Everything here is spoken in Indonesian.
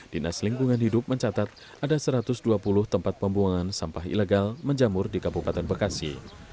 dinas lingkungan hidup mencatat ada satu ratus dua puluh tempat pembuangan sampah ilegal menjamur di kabupaten bekasi